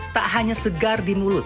tak hanya segar di mulut